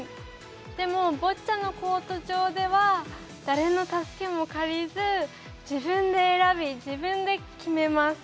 でも、ボッチャのコート上では誰の助けも借りず、自分で選び自分で決めます。